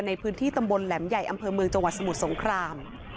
ในพื้นที่ตำบลแหลมใหญ่อำเภอเมืองจังหวัดสมุทรสงคราม